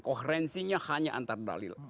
koherensinya hanya antar dalil